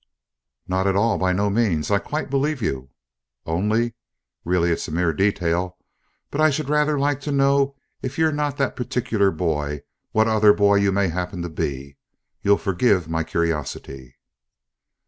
"Not at all by no means, I quite believe you. Only (really it's a mere detail), but I should rather like to know, if you're not that particular boy, what other boy you may happen to be. You'll forgive my curiosity."